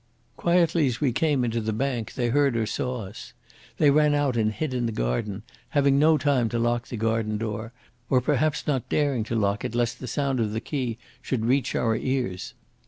Quietly as we came into the bank, they heard or saw us. They ran out and hid in the garden, having no time to lock the garden door, or perhaps not daring to lock it lest the sound of the key should reach our ears.